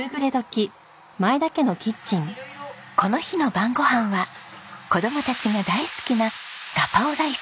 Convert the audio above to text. この日の晩ご飯は子供たちが大好きなガパオライス。